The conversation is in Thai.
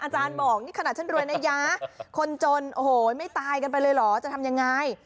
อาจารย์บอกนี่ขนาดฉันรวยนะยะคนจนโอ้โหไม่ตายกันไปเลยเหรอจะทำยังไง